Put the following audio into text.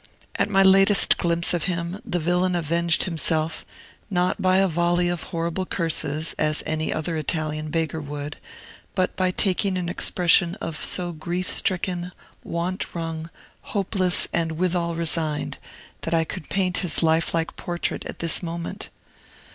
At my latest glimpse of him, the villain avenged himself, not by a volley of horrible curses, as any other Italian beggar would, but by taking an expression so grief stricken, want wrung, hopeless, and withal resigned, that I could paint his lifelike portrait at this moment.